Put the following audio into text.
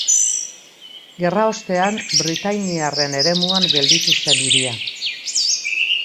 Gerra ostean britainiarren eremuan gelditu zen hiria.